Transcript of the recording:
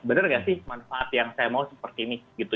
bener gak sih manfaat yang saya mau seperti ini gitu